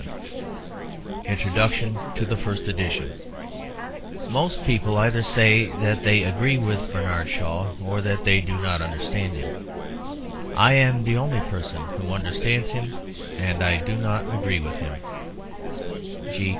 Introduction to the First Edition Most people either say that they agree with Bernard Shaw or that they do not understand him. I am the only person who understands him, and I do not agree with him.